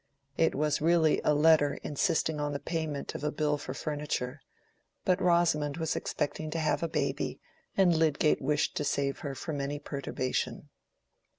It was really a letter insisting on the payment of a bill for furniture. But Rosamond was expecting to have a baby, and Lydgate wished to save her from any perturbation.